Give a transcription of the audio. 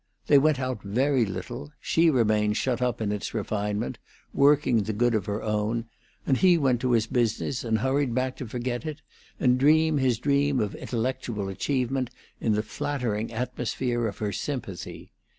They went out very little; she remained shut up in its refinement, working the good of her own; and he went to his business, and hurried back to forget it, and dream his dream of intellectual achievement in the flattering atmosphere of her sympathy.